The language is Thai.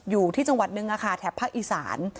อยู่ที่จังหวัดนึงแถบภาคอีสาน